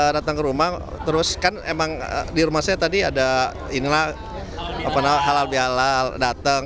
datang ke rumah terus kan emang di rumah saya tadi ada inilah halal bihalal datang